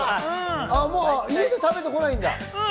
家で食べて来ないんだ。